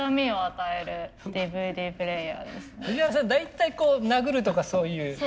大体こう殴るとかそういう。